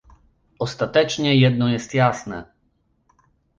Ostatecznie jedno jest jasne